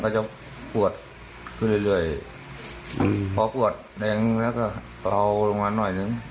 ก็จะปวดขึ้นเรื่อยเรื่อยอืมพอปวดแดงนะคะเอาลงมันหน่อยนึง